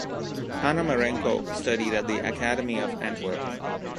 Panamarenko studied at the academy of Antwerp.